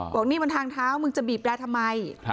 บอกนี่มันทางเท้ามึงจะบีบแรร์ทำไม